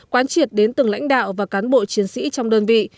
quán triệt đến từng lãnh đạo và cán bộ chiến sĩ trong đơn vị